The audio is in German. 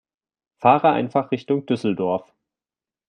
Fahre einfach Richtung Düsseldorf